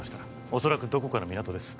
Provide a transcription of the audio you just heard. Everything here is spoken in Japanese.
おそらくどこかの港です